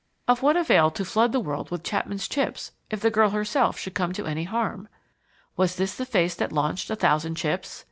Of what avail to flood the world with Chapman Chips if the girl herself should come to any harm? "Was this the face that launched a thousand chips?"